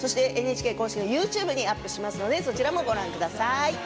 ＮＨＫの公式ＹｏｕＴｕｂｅにアップしますのでそちらもご覧ください。